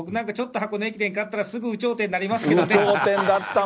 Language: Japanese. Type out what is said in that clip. ちょっと箱根駅伝勝ったら、すぐ有頂天になりますけどね。